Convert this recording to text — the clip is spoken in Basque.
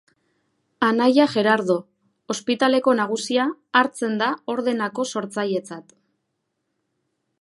Anaia Gerardo, ospitaleko nagusia, hartzen da Ordenako sortzailetzat.